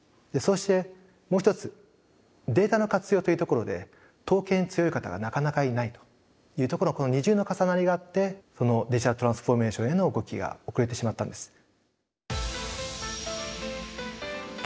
でそうしてもう一つデータの活用というところで統計に強い方がなかなかいないというところのこの２重の重なりがあってこのデジタルトランスフォーメーションへの動きが遅れてしまったんです。